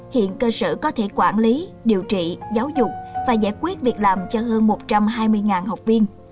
hiện cơ sở có thể quản lý điều trị giáo dục và giải quyết việc làm cho hơn một trăm hai mươi học viên